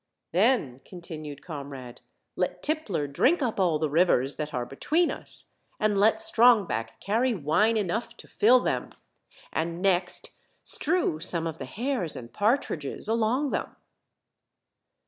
''Then," continued Comrade, "let Tippler drink up all the rivers that are between us, and let Strongback carry wine enough to fill them, and next strew some of the hares and partridges alo'v^ them."